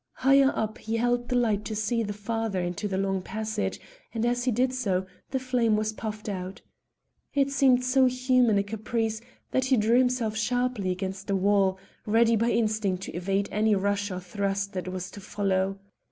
Higher up he held the light to see the farther into the long passage, and as he did so the flame was puffed out. It seemed so human a caprice that he drew himself sharply against the wall, ready by instinct to evade any rush or thrust that was to follow.